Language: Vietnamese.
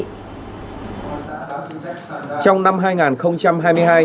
trong năm hai nghìn hai mươi hai